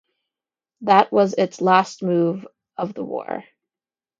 That was its last move of the war.